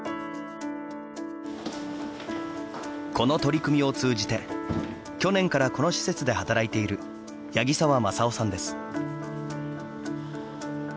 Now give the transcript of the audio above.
この取り組みを通じて去年から、この施設で働いている八木沢昌夫さんです。